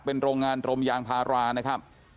เป็นโรงงานรมยางพารานะครับ